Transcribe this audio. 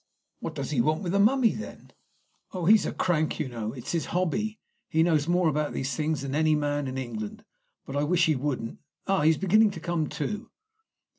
"What does he want with the mummy, then?" "Oh, he's a crank, you know. It's his hobby. He knows more about these things than any man in England. But I wish he wouldn't! Ah, he's beginning to come to."